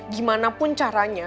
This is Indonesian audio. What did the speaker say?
gimana pun caranya